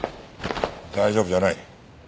大丈夫じゃない。